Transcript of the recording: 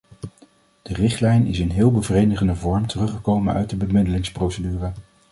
De richtlijn is in heel bevredigende vorm teruggekomen uit de bemiddelingsprocedure.